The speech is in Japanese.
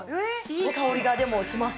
いい香りが、でもします。